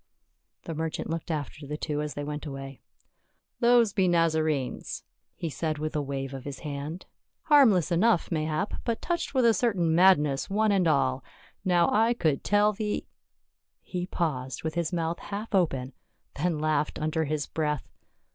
The merchant looked after the two as they went away. " Those be Nazarenes," he said with a wave of SA UL IN JER USA LEM. 1 37 his hand; "harmless enough, mayhap, but touched with a certain madness one and all ; now I could tell thee —" he paused with his mouth half open, then laughed under his breath.